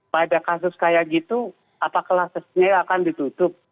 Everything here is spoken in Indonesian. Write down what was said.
pada kasus seperti itu apa kelasnya akan ditutup